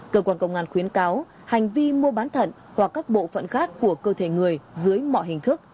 cơ quan công an khuyến cáo hành vi mua bán thận hoặc các bộ phận khác của cơ thể người dưới mọi hình thức